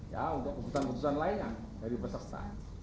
ya untuk keputusan keputusan lainnya dari peserta